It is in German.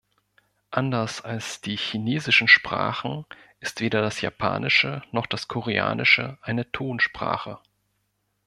Anders als die chinesischen Sprachen ist weder das Japanische noch das Koreanische eine Tonsprache.